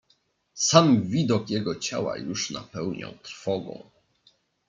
"Sam widok jego ciała już napełniał trwogą."